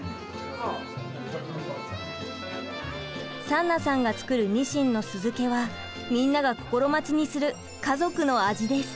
サンナさんが作るニシンの酢漬けはみんなが心待ちにする家族の味です。